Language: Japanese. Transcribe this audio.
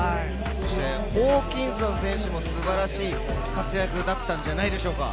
ホーキンソン選手も素晴らしい活躍だったんじゃないでしょうか。